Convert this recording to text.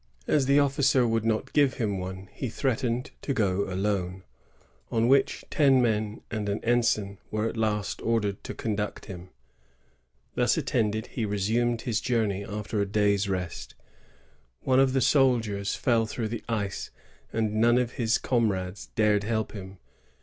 As the officer would not give him one, he threatened to go alone, on which ten men and an ensign were at last ordered to conduct him. Thus attended, he resumed his journey after a day's rest. One of the soldiers fell through the ice, and none of his com rades dared help him.